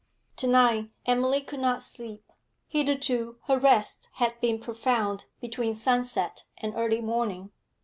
To night Emily could not sleep; hitherto her rest had been profound between sunset and early morning.